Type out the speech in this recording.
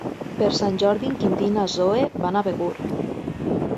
Per Sant Jordi en Quintí i na Zoè van a Begur.